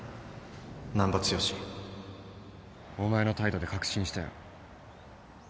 難破剛お前の態度で確信したよ。